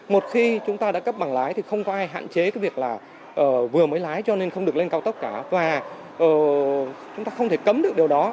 một khi chúng ta đã cấp bằng lái thì không có ai hạn chế cái việc là vừa mới lái cho nên không được lên cao tốc cả và chúng ta không thể cấm được điều đó